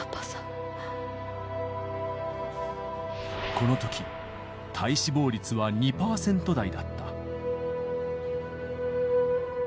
このとき、体脂肪率は２％台だった。